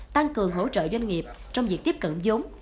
tăng cường hỗ trợ doanh nghiệp trong việc tiếp cận giống